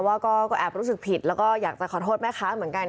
ว่าก็แอบรู้สึกผิดแล้วก็อยากจะขอโทษแม่ค้าเหมือนกัน